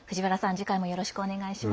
次回も、よろしくお願いします。